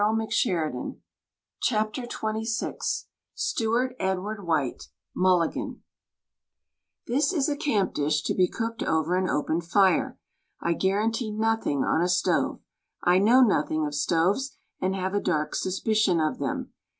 WRITTEN FOR MEN BY MEN XXVI Stewart Edward W^hite MULLIGAN This is a camp dish to be cooked over an open fire. I guarantee nothing on a stove. I know nothing of stoves, and have a dark suspicion of them.